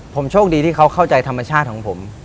ผมโชคดีที่เขาเข้าใจธรรมชาติของผม